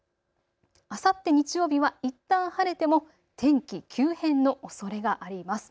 あさって日曜日はいったん晴れても天気、急変のおそれがあります。